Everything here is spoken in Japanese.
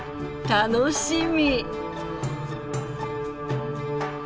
楽しみ！